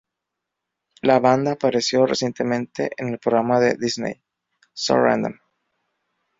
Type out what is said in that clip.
La banda apareció recientemente en el programa de Disney, "So Random".